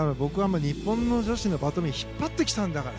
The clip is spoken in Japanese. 日本の女子のバドミントン引っ張ってきたんだから。